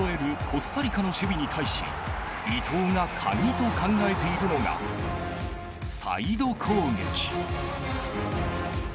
コスタリカの守備に対し伊東が鍵と考えているのがサイド攻撃。